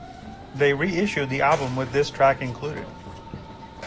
They re-issued the album with this track included.